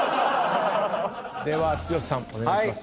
では剛さんお願いします。